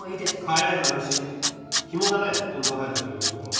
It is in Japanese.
早い話ヒモだね近藤隼人という男は。